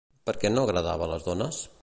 Per què no agradava a les dones?